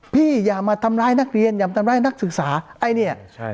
อย่ามาทำร้ายนักเรียนอย่ามาทำร้ายนักศึกษาไอ้เนี่ยใช่